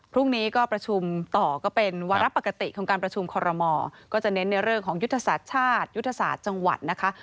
พรุ่งนี้ก็ประชุมต่อก็เป็นวาระปกติของการประชุมคอรมอก็จะเน้นในเรื่องของยุทธศาสตร์ชาติยุทธศาสตร์จังหวัดนะคะ